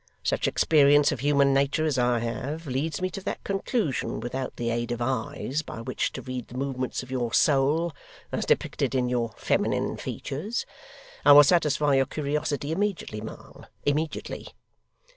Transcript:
Such experience of human nature as I have, leads me to that conclusion, without the aid of eyes by which to read the movements of your soul as depicted in your feminine features. I will satisfy your curiosity immediately, ma'am; immediately.